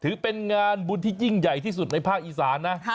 ถือเป็นงานบุญที่ยิ่งใหญ่ที่สุดในภาคอีสานนะ